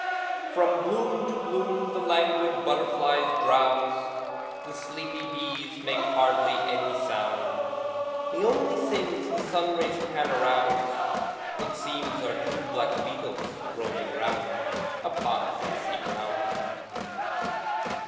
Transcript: From bloom to bloom the languid butterflies drowse; The sleepy bees make hardly any sound; The only things the sunrays can arouse, It seems, are two black beetles rolling 'round Upon the dusty ground.